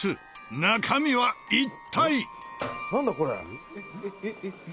中身は一体。